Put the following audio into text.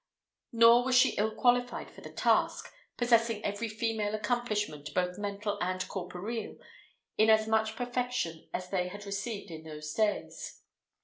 Nor was she ill qualified for the task, possessing every female accomplishment, both mental and corporeal, in as much perfection as they had received in those days.